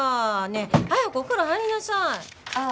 え早くお風呂入りなさいああ